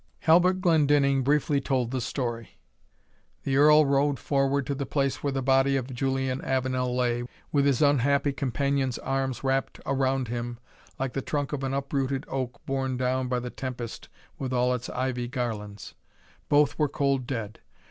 Halbert Glendinning briefly told the story. The Earl rode forward to the place where the body of Julian Avenel lay, with his unhappy companion's arms wrapped around him like the trunk of an uprooted oak borne down by the tempest with all its ivy garlands. Both were cold dead.